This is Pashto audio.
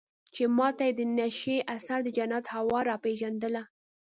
چې ما ته يې د نشې اثر د جنت هوا راپېژندله.